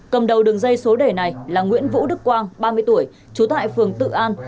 cầm đầu đường dây số đề này là nguyễn vũ đức quang ba mươi tuổi trú tại phường tự an